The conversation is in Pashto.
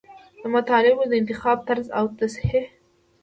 د مطالبو د انتخاب طرز او تصحیح.